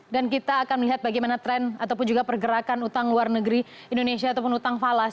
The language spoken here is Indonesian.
dan kita akan melihat bagaimana tren ataupun juga pergerakan utang luar negeri indonesia ataupun utang falas